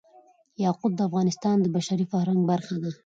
یاقوت د افغانستان د بشري فرهنګ برخه ده.